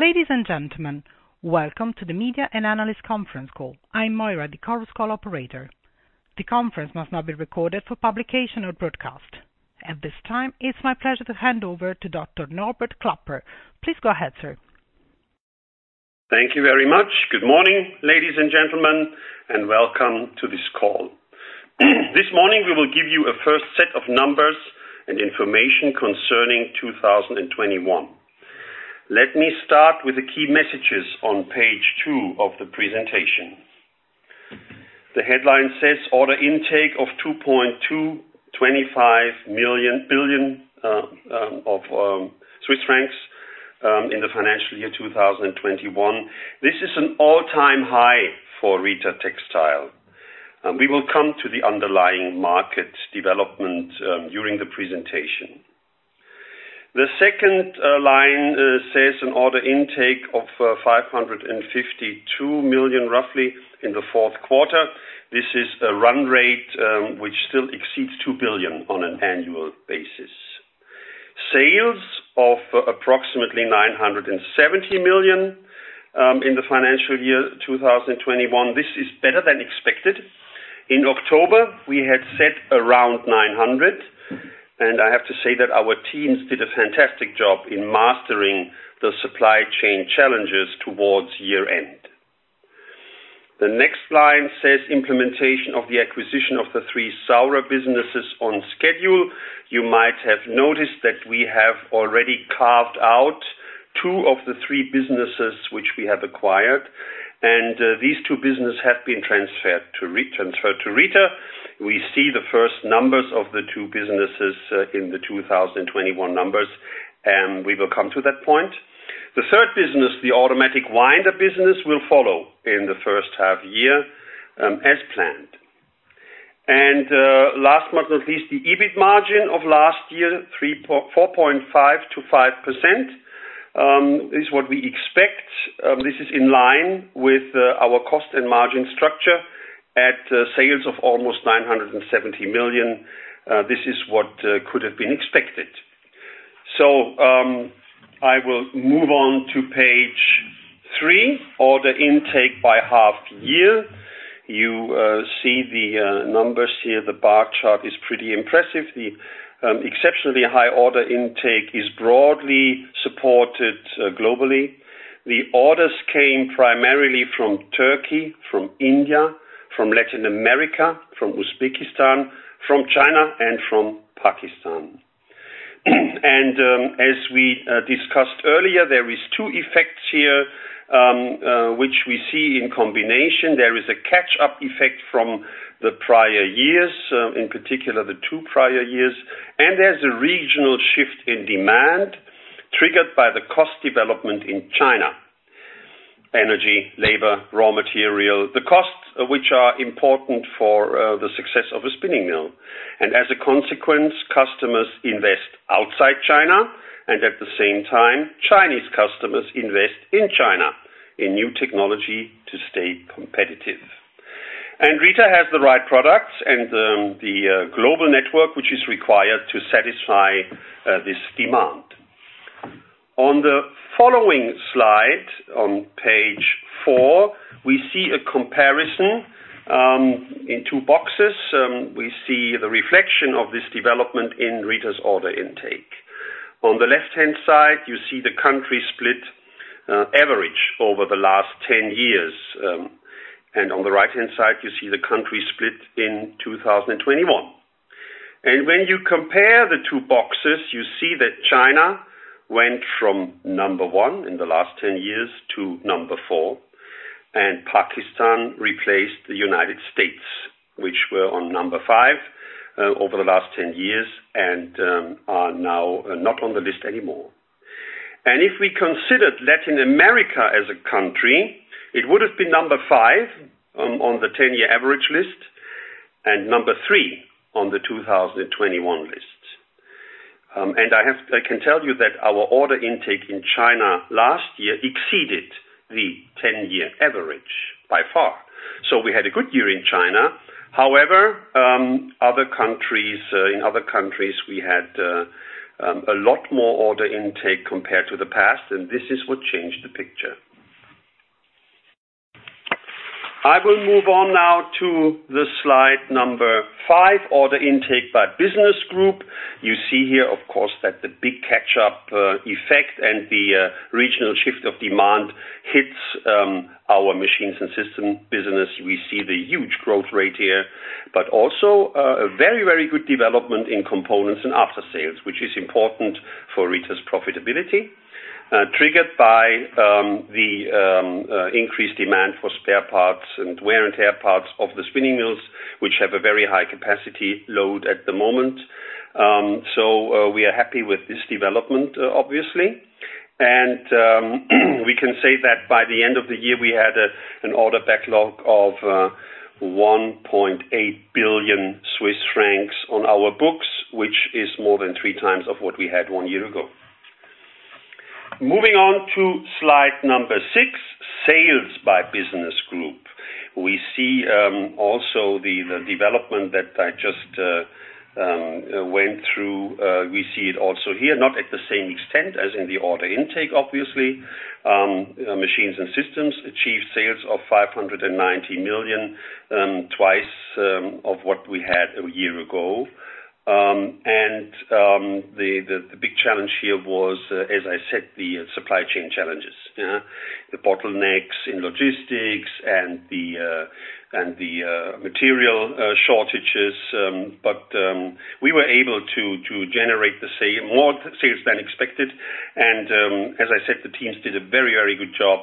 Ladies and gentlemen, welcome to the Media and Analyst Conference Call. I'm Moira, the conference call operator. The conference must not be recorded for publication or broadcast. At this time, it's my pleasure to hand over to Dr. Norbert Klapper. Please go ahead, sir. Thank you very much. Good morning, ladies and gentlemen, and welcome to this call. This morning, we will give you a first set of numbers and information concerning 2021. Let me start with the key messages on page two of the presentation. The headline says, "Order Intake of 2.225 billion in the Financial Year 2021." This is an all-time high for Rieter. We will come to the underlying market development during the presentation. The second line says, "An Order Intake of 552 million, roughly, in the fourth quarter." This is a run rate which still exceeds 2 billion on an annual basis. Sales of approximately 970 million in the financial year 2021. This is better than expected. In October, we had set around 900, and I have to say that our teams did a fantastic job in mastering the supply chain challenges towards year end. The next line says, "Implementation of the acquisition of the three Saurer businesses on schedule." You might have noticed that we have already carved out two of the three businesses which we have acquired, and these two businesses have been transferred to Rieter. We see the first numbers of the two businesses in the 2021 numbers, and we will come to that point. The third business, the automatic winder business, will follow in the first half year, as planned. Last but not least, the EBIT margin of last year, 4.5%-5%, is what we expect. This is in line with our cost and margin structure at sales of almost 970 million. This is what could have been expected. I will move on to page three, Order Intake by Half Year. You see the numbers here. The bar chart is pretty impressive. The exceptionally high order intake is broadly supported globally. The orders came primarily from Turkey, from India, from Latin America, from Uzbekistan, from China, and from Pakistan. As we discussed earlier, there is two effects here, which we see in combination. There is a catch-up effect from the prior years, in particular, the two prior years. There's a regional shift in demand triggered by the cost development in China, energy, labor, raw material. The costs which are important for the success of a spinning mill. As a consequence, customers invest outside China, and at the same time, Chinese customers invest in China, in new technology to stay competitive. Rieter has the right products and the global network which is required to satisfy this demand. On the following slide, on page four, we see a comparison in two boxes. We see the reflection of this development in Rieter's order intake. On the left-hand side, you see the country split, average over the last 10 years. On the right-hand side, you see the country split in 2021. When you compare the two boxes, you see that China went from number one in the last 10 years to number four, and Pakistan replaced the United States, which were on number five over the last 10 years and are now not on the list anymore. If we considered Latin America as a country, it would have been number five on the 10-year average list and number three on the 2021 list. I can tell you that our order intake in China last year exceeded the 10-year average by far. We had a good year in China. However, in other countries, we had a lot more order intake compared to the past, and this is what changed the picture. I will move on now to the slide number five, Order Intake by Business Group. You see here, of course, that the big catch-up effect and the regional shift of demand hits our Machines and Systems business. We see the huge growth rate here, but also a very, very good development in Components and After Sales, which is important for Rieter's profitability, triggered by the increased demand for spare parts and wear and tear parts of the spinning mills, which have a very high capacity load at the moment. We are happy with this development, obviously. We can say that by the end of the year, we had an order backlog of 1.8 billion Swiss francs on our books, which is more than three times of what we had one year ago. Moving on to slide number six, Sales by Business Group. We see also the development that I just went through, we see it also here, not to the same extent as in the order intake, obviously. Machines & Systems achieved sales of 590 million, twice of what we had a year ago. The big challenge here was, as I said, the supply chain challenges, yeah. The bottlenecks in logistics and the material shortages. We were able to generate more sales than expected. As I said, the teams did a very good job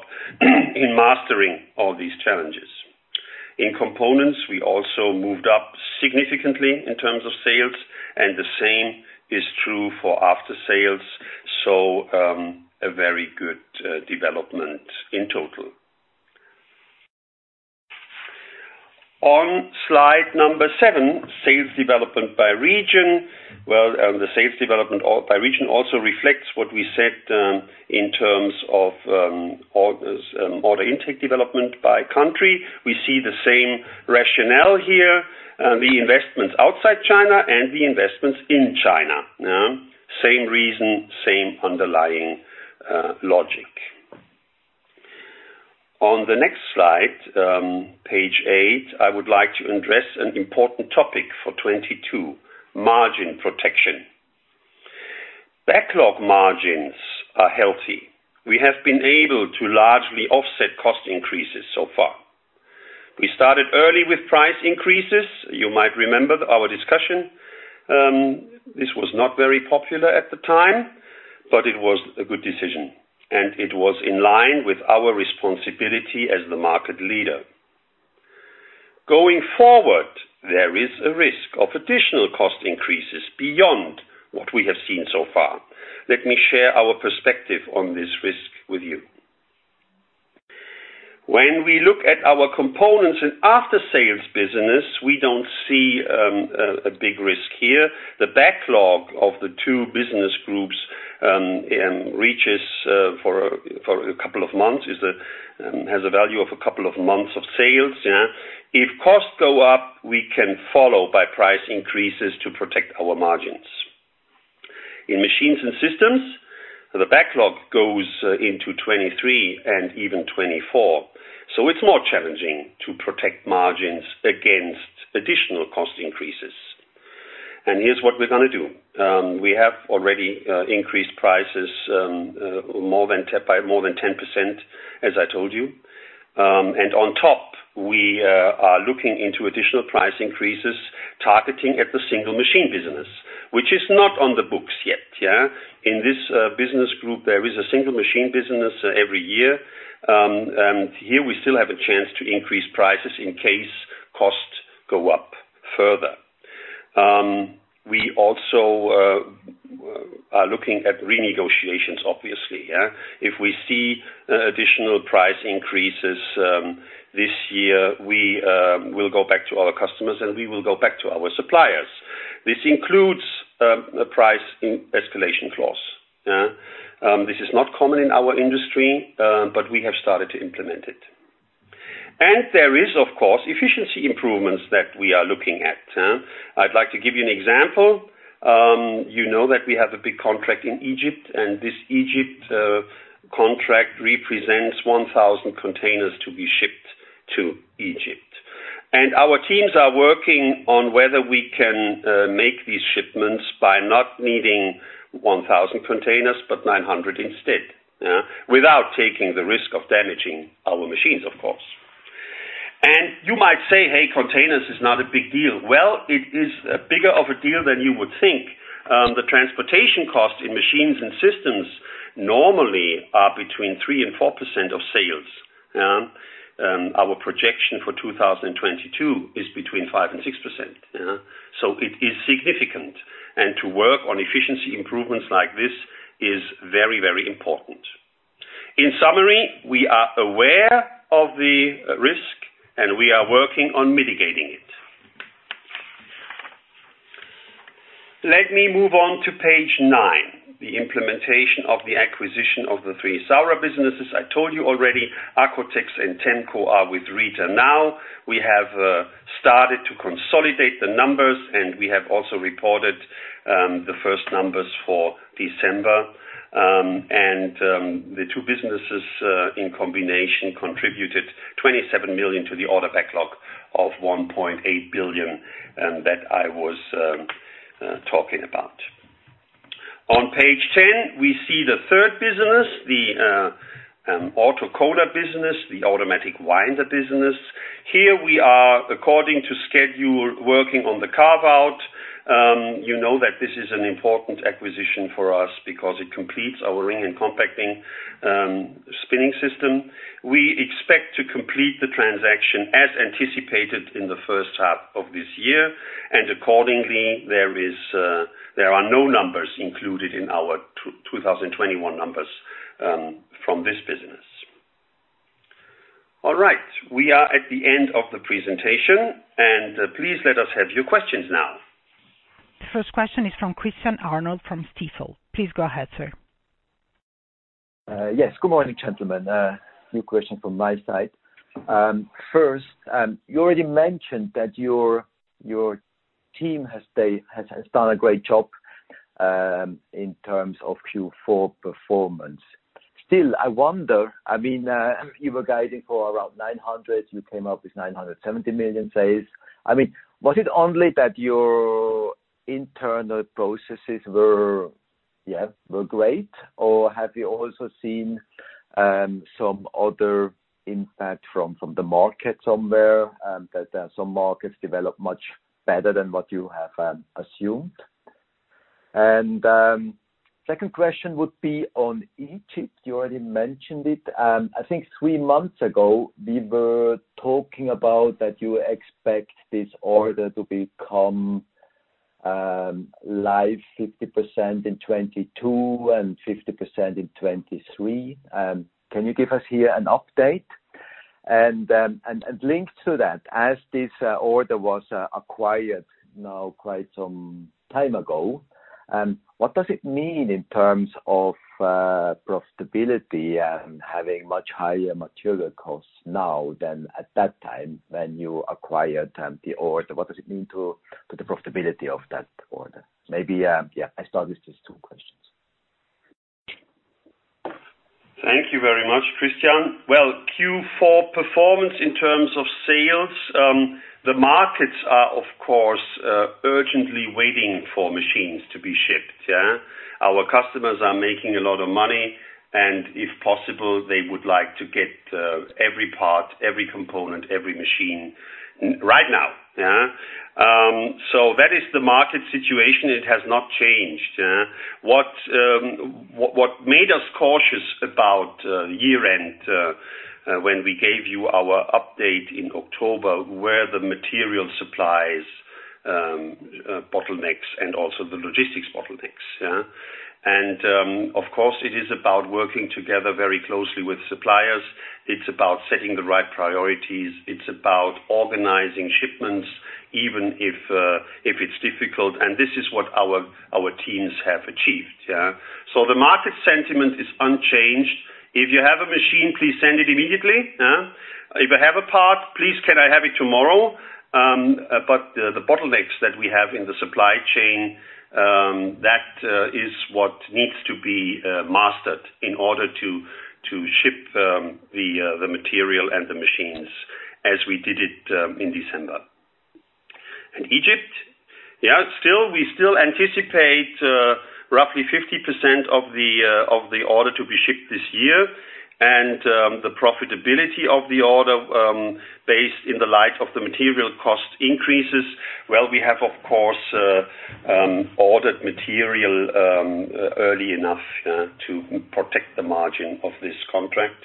in mastering all these challenges. In Components, we also moved up significantly in terms of sales, and the same is true for After Sales. A very good development in total. On slide number seven, sales development by region. The sales development by region also reflects what we said in terms of orders order intake development by country. We see the same rationale here. The investments outside China and the investments in China. Now, same reason, same underlying logic. On the next slide, page eight, I would like to address an important topic for 2022, margin protection. Backlog margins are healthy. We have been able to largely offset cost increases so far. We started early with price increases. You might remember our discussion. This was not very popular at the time, but it was a good decision, and it was in line with our responsibility as the market leader. Going forward, there is a risk of additional cost increases beyond what we have seen so far. Let me share our perspective on this risk with you. When we look at our Components and After Sales business, we don't see a big risk here. The backlog of the two business groups is for a couple of months. It has a value of a couple of months of sales, yeah. If costs go up, we can follow by price increases to protect our margins. In Machines & Systems, the backlog goes into 2023 and even 2024. So it's more challenging to protect margins against additional cost increases. Here's what we're gonna do. We have already increased prices by more than 10%, as I told you. On top, we are looking into additional price increases targeting at the single machine business, which is not on the books yet, yeah. In this business group, there is a single machine business every year. Here we still have a chance to increase prices in case costs go up further. We also are looking at renegotiations, obviously, yeah. If we see additional price increases this year, we will go back to our customers, and we will go back to our suppliers. This includes a price escalation clause. This is not common in our industry, but we have started to implement it. There is, of course, efficiency improvements that we are looking at. I'd like to give you an example. You know that we have a big contract in Egypt, and this Egypt contract represents 1,000 containers to be shipped to Egypt. Our teams are working on whether we can make these shipments by not needing 1,000 containers, but 900 instead. Without taking the risk of damaging our machines, of course. You might say, "Hey, containers is not a big deal." Well, it is a bigger of a deal than you would think. The transportation costs in Machines and Systems normally are between 3%-4% of sales. Our projection for 2022 is between 5%-6%. It is significant. To work on efficiency improvements like this is very, very important. In summary, we are aware of the risk, and we are working on mitigating it. Let me move on to page nine, the implementation of the acquisition of the three Saurer businesses. I told you already, Accotex and Temco are with Rieter now. We have started to consolidate the numbers, and we have also reported the first numbers for December. The two businesses in combination contributed 27 million to the order backlog of 1.8 billion that I was talking about. On page 10, we see the third business, the Autoconer business, the automatic winder business. Here we are, according to schedule, working on the carve-out. You know that this is an important acquisition for us because it completes our ring and compact spinning system. We expect to complete the transaction as anticipated in the first half of this year. Accordingly, there are no numbers included in our 2021 numbers from this business. All right. We are at the end of the presentation. Please let us have your questions now. First question is from Christian Arnold from Stifel. Please go ahead, sir. Yes. Good morning, gentlemen. Few questions from my side. First, you already mentioned that your team has done a great job in terms of Q4 performance. Still, I wonder, I mean, you were guiding for around 900 million, you came up with 970 million sales. I mean, was it only that your internal processes were great, or have you also seen some other impact from the market somewhere that some markets developed much better than what you have assumed? Second question would be on Egypt. You already mentioned it. I think three months ago, we were talking about that you expect this order to become live 50% in 2022 and 50% in 2023. Can you give us here an update? Linked to that, as this order was acquired now quite some time ago, what does it mean in terms of profitability and having much higher material costs now than at that time when you acquired the order? What does it mean to the profitability of that order? Maybe yeah, I start with just two questions. Thank you very much, Christian. Well, Q4 performance in terms of sales, the markets are of course urgently waiting for machines to be shipped, yeah. Our customers are making a lot of money and if possible, they would like to get every part, every component, every machine right now, yeah. That is the market situation. It has not changed, yeah. What made us cautious about year-end when we gave you our update in October were the material supplies bottlenecks and also the logistics bottlenecks, yeah. Of course, it is about working together very closely with suppliers. It's about setting the right priorities. It's about organizing shipments, even if it's difficult. This is what our teams have achieved, yeah. The market sentiment is unchanged. If you have a machine, please send it immediately, yeah. If I have a part, please can I have it tomorrow? The bottlenecks that we have in the supply chain, that is what needs to be mastered in order to ship the material and the machines as we did it in December. In Egypt, still we still anticipate roughly 50% of the order to be shipped this year. The profitability of the order, based in the light of the material cost increases, well, we have, of course, ordered material early enough, yeah, to protect the margin of this contract.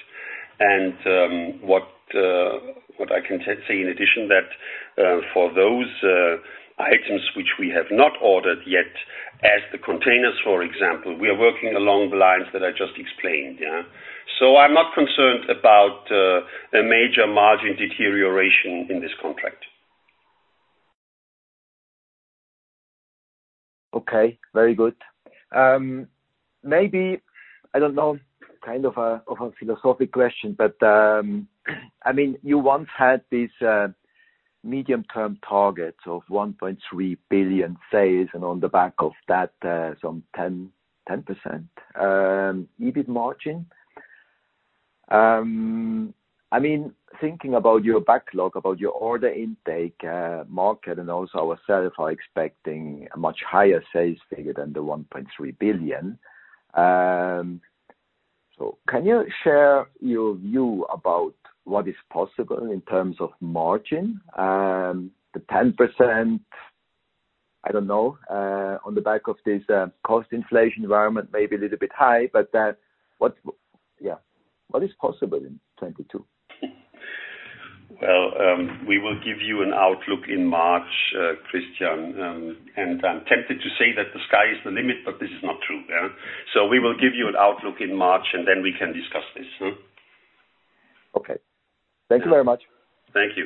What I can say in addition, that for those items which we have not ordered yet as the containers, for example, we are working along the lines that I just explained, yeah. I'm not concerned about a major margin deterioration in this contract. Okay, very good. Maybe, I don't know, kind of a philosophic question, but, I mean, you once had these medium-term targets of 1.3 billion sales, and on the back of that, some 10% EBIT margin. I mean, thinking about your backlog, about your order intake, market, and also ourselves are expecting a much higher sales figure than the 1.3 billion. So can you share your view about what is possible in terms of margin? The 10%, I don't know, on the back of this post-inflation environment may be a little bit high, but, what is possible in 2022? Well, we will give you an outlook in March, Christian, and I'm tempted to say that the sky is the limit, but this is not true, yeah? We will give you an outlook in March, and then we can discuss this, huh. Okay. Thank you very much. Thank you.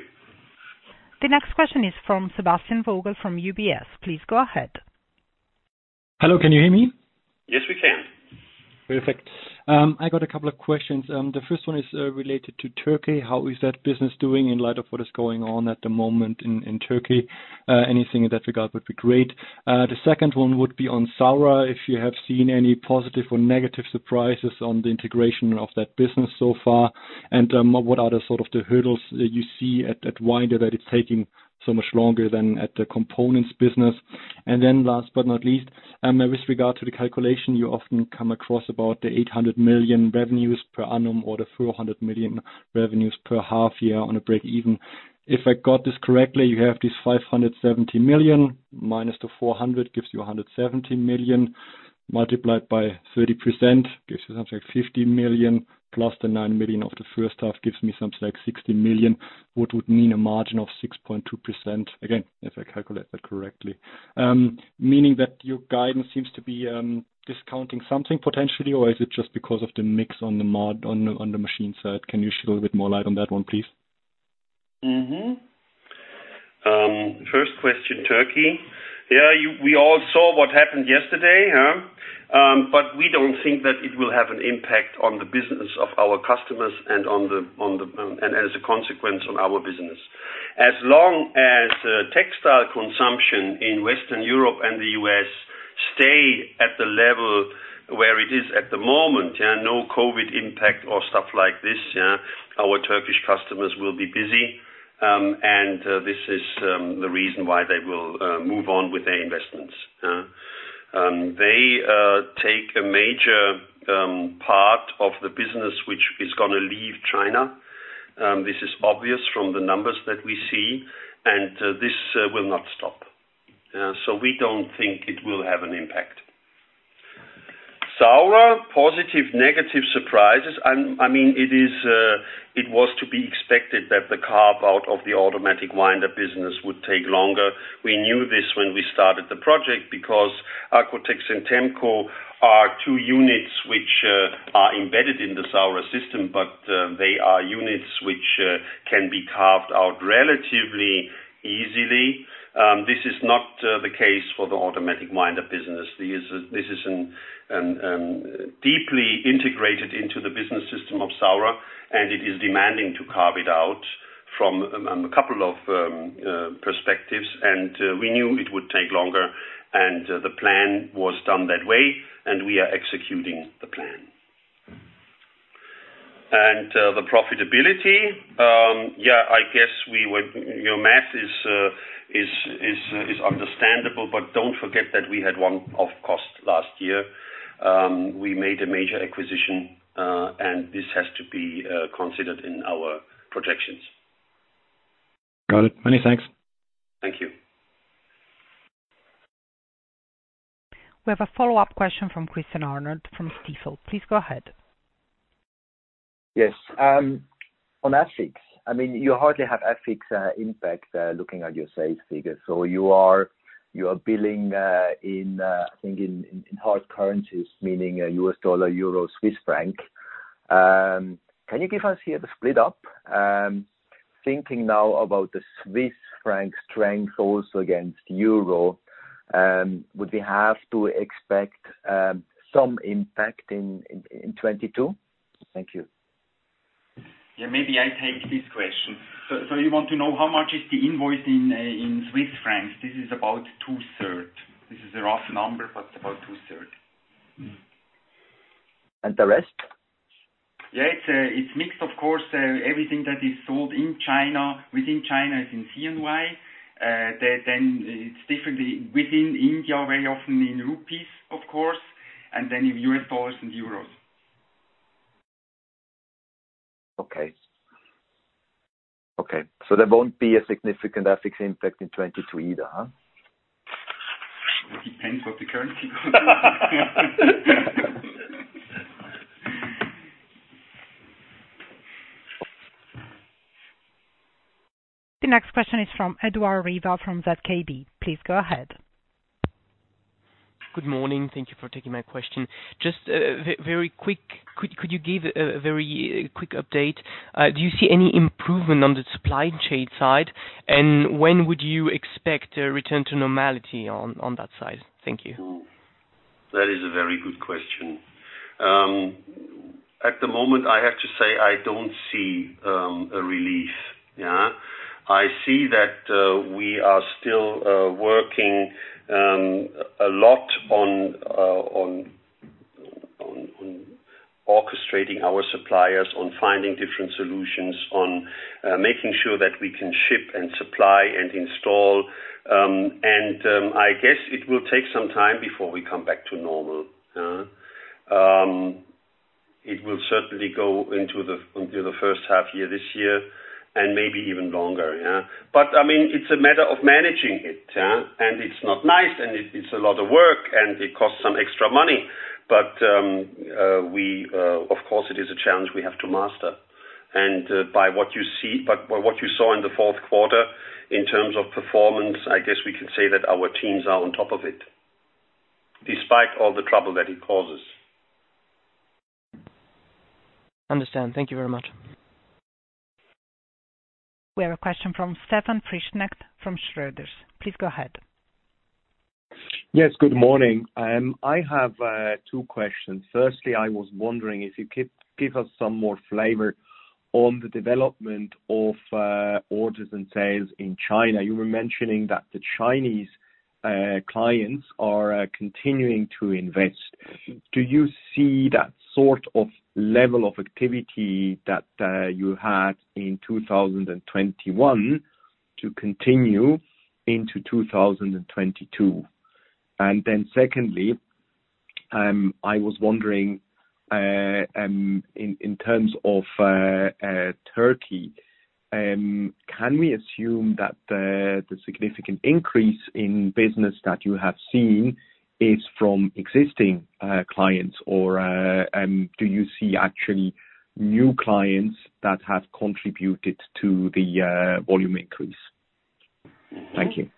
The next question is from Sebastian Vogel from UBS. Please go ahead. Hello, can you hear me? Yes, we can. Perfect. I got a couple of questions. The first one is related to Turkey. How is that business doing in light of what is going on at the moment in Turkey? Anything in that regard would be great. The second one would be on Saurer, if you have seen any positive or negative surprises on the integration of that business so far. What are the sort of the hurdles that you see at Winder that it's taking so much longer than at the Components business? Last but not least, with regard to the calculation, you often come across about the 800 million revenues per annum or the 400 million revenues per half year on a break even. If I got this correctly, you have this 570 million, minus the 400 million gives you a 170 million, multiplied by 30% gives you something like 50 million, plus the 9 million of the first half gives me something like 60 million, which would mean a margin of 6.2%. Again, if I calculate that correctly. Meaning that your guidance seems to be discounting something potentially or is it just because of the mix on the machine side? Can you shed a little bit more light on that one, please? First question, Turkey. We all saw what happened yesterday, huh? We don't think that it will have an impact on the business of our customers and, as a consequence, on our business. As long as textile consumption in Western Europe and the U.S. stay at the level where it is at the moment, no COVID impact or stuff like this, our Turkish customers will be busy, and this is the reason why they will move on with their investments, huh? They take a major part of the business which is gonna leave China. This is obvious from the numbers that we see, and this will not stop. So we don't think it will have an impact. Saurer, positive, negative surprises. I mean, it is, it was to be expected that the carve-out of the automatic winder business would take longer. We knew this when we started the project because Accotex and Temco are two units which are embedded in the Saurer system, but they are units which can be carved out relatively easily. This is not the case for the automatic winder business. This is deeply integrated into the business system of Saurer, and it is demanding to carve it out from a couple of perspectives. We knew it would take longer, and the plan was done that way, and we are executing the plan. The profitability, yeah, I guess we would You know, math is understandable, but don't forget that we had one-off cost last year. We made a major acquisition, and this has to be considered in our projections. Got it. Many thanks. Thank you. We have a follow-up question from Christian Arnold from Stifel. Please go ahead. Yes. On FX. I mean, you hardly have FX impact looking at your sales figures. You are billing, I think, in hard currencies, meaning U.S. dollar, euro, Swiss franc. Can you give us here the split up? Thinking now about the Swiss franc strength also against euro, would we have to expect some impact in 2022? Thank you. Yeah, maybe I take this question. You want to know how much is the invoice in Swiss francs? This is about two-thirds. This is a rough number, but about two-thirds. The rest? Yeah, it's mixed, of course. Everything that is sold in China, within China is in CNY. Then it's differently within India, very often in rupees, of course, and then in U.S. dollars and euros. Okay. There won't be a significant FX impact in 2022 either, huh? It depends what the currency goes. The next question is from Edouard Riva from ZKB. Please go ahead. Good morning. Thank you for taking my question. Just very quick, could you give a very quick update? Do you see any improvement on the supply chain side? When would you expect a return to normality on that side? Thank you. That is a very good question. At the moment, I have to say I don't see a relief. Yeah. I see that we are still working a lot on orchestrating our suppliers, on finding different solutions, on making sure that we can ship and supply and install. I guess it will take some time before we come back to normal. It will certainly go into the first half year this year and maybe even longer, yeah. I mean, it's a matter of managing it, yeah. It's not nice, and it's a lot of work, and it costs some extra money. Of course it is a challenge we have to master. By what you saw in the fourth quarter in terms of performance, I guess we can say that our teams are on top of it, despite all the trouble that it causes. Understand. Thank you very much. We have a question from Stefan Frischknecht from Schroders. Please go ahead. Yes, good morning. I have two questions. Firstly, I was wondering if you could give us some more flavor on the development of orders and sales in China. You were mentioning that the Chinese clients are continuing to invest. Do you see that sort of level of activity that you had in 2021 to continue into 2022? Secondly, I was wondering in terms of Turkey, can we assume that the significant increase in business that you have seen is from existing clients, or do you see actually new clients that have contributed to the volume increase? Thank you.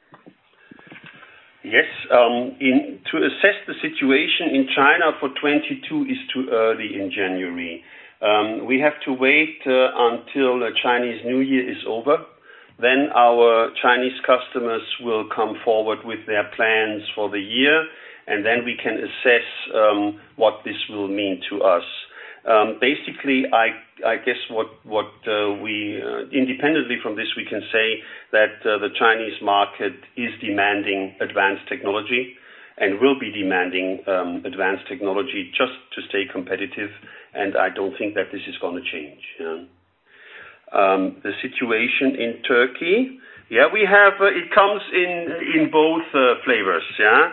Yes. To assess the situation in China for 2022 is too early in January. We have to wait until the Chinese New Year is over. Our Chinese customers will come forward with their plans for the year, and then we can assess what this will mean to us. Basically, I guess independently from this we can say that the Chinese market is demanding advanced technology and will be demanding advanced technology just to stay competitive. I don't think that this is gonna change, yeah. The situation in Turkey comes in both flavors, yeah.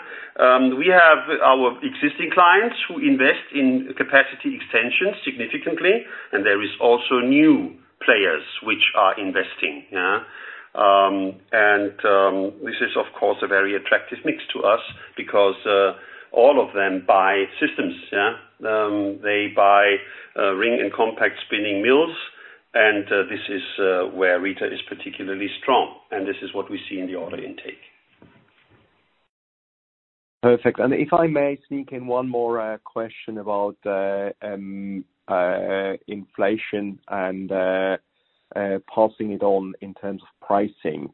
We have our existing clients who invest in capacity extensions significantly, and there is also new players which are investing, yeah. This is of course a very attractive mix to us because all of them buy systems, yeah. They buy ring and compact spinning mills and this is where Rieter is particularly strong, and this is what we see in the order intake Perfect. If I may sneak in one more question about inflation and passing it on in terms of pricing.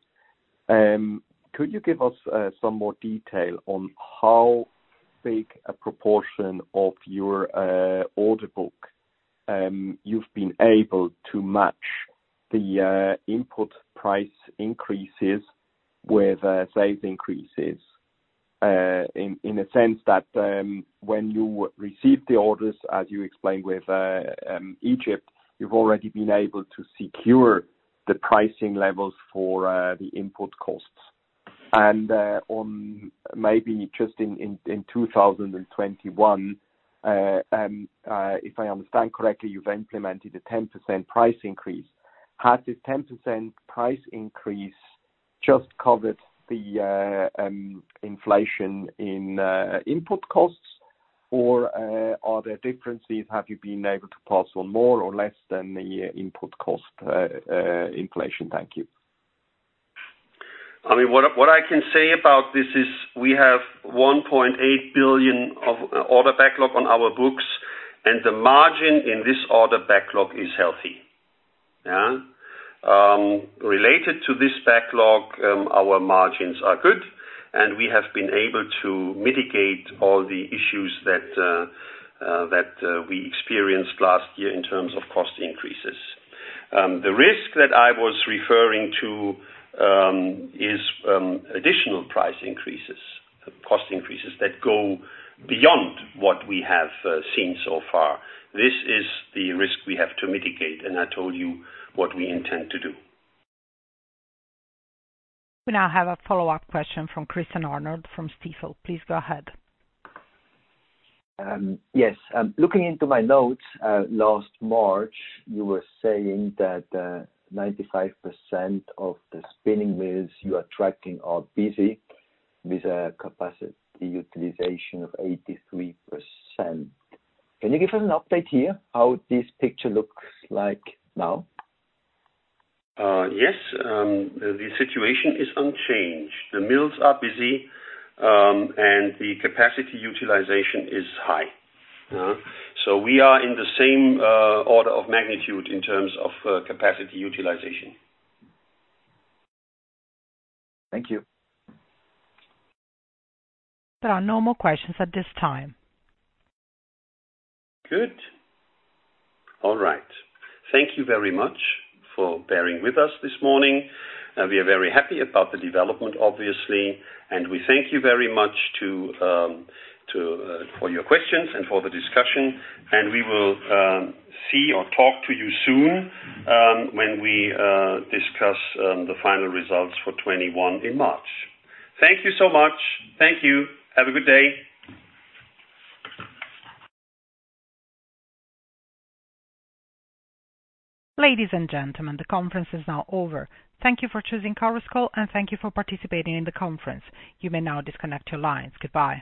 Could you give us some more detail on how big a proportion of your order book you've been able to match the input price increases with sales increases in a sense that when you receive the orders, as you explained with Egypt, you've already been able to secure the pricing levels for the input costs. On maybe just in 2021, if I understand correctly, you've implemented a 10% price increase. Has this 10% price increase just covered the inflation in input costs? Or are there differences? Have you been able to pass on more or less than the input cost, inflation? Thank you. I mean, what I can say about this is we have 1.8 billion of order backlog on our books, and the margin in this order backlog is healthy. Yeah. Related to this backlog, our margins are good, and we have been able to mitigate all the issues that we experienced last year in terms of cost increases. The risk that I was referring to is additional price increases, cost increases that go beyond what we have seen so far. This is the risk we have to mitigate, and I told you what we intend to do. We now have a follow-up question from Christian Arnold from Stifel. Please go ahead. Yes. Looking into my notes, last March, you were saying that 95% of the spinning mills you are tracking are busy with a capacity utilization of 83%. Can you give us an update here, how this picture looks like now? Yes. The situation is unchanged. The mills are busy, and the capacity utilization is high. We are in the same order of magnitude in terms of capacity utilization. Thank you. There are no more questions at this time. Good. All right. Thank you very much for bearing with us this morning. We are very happy about the development, obviously, and we thank you very much for your questions and for the discussion. We will see or talk to you soon when we discuss the final results for 2021 in March. Thank you so much. Thank you. Have a good day. Ladies and gentlemen, the conference is now over. Thank you for choosing Chorus Call and thank you for participating in the conference. You may now disconnect your lines. Goodbye.